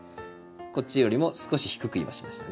こっちよりも少し低く今しましたね